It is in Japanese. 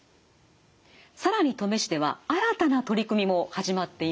更に登米市では新たな取り組みも始まっています。